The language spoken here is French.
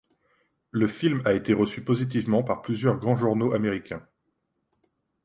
Le film a été reçu positivement par plusieurs grands journaux américains.